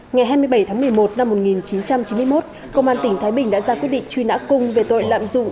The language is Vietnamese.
ngày hai mươi bảy tháng một mươi một năm một nghìn chín trăm chín mươi một công an tỉnh thái bình đã ra quyết định truy nã cung về tội lạm dụng